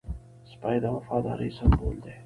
سپي د وفادارۍ سمبول دی.